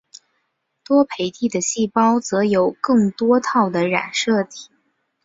多倍体的细胞则有更多套的染色体。